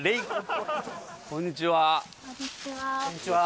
こんにちは。